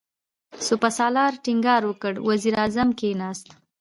سپهسالار ټينګار وکړ، وزير اعظم کېناست.